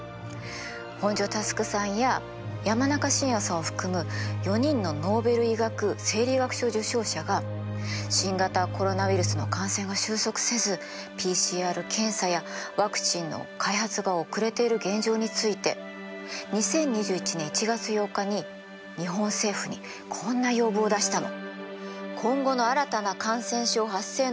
本庶佑さんや山中伸弥さんを含む４人のノーベル医学・生理学賞受賞者が新型コロナウイルスの感染が収束せずＰＣＲ検査やワクチンの開発が遅れている現状について２０２１年１月８日に日本政府にこんな要望を出したの。